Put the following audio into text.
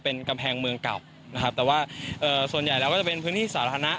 เป็นกำแพงเมืองเก่านะครับแต่ว่าเอ่อส่วนใหญ่แล้วก็จะเป็นพื้นที่สาธารณะ